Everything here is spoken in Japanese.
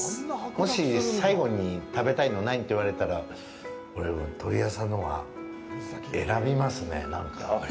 もし最後に食べたいの何？って言われたら俺、鳥彌三のは選びますね、なんか。